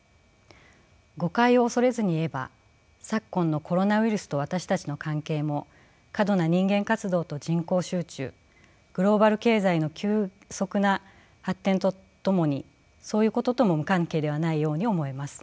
誤解を恐れずに言えば昨今のコロナウイルスと私たちの関係も過度な人間活動と人口集中グローバル経済の急速な発展とともにそういうこととも無関係ではないように思えます。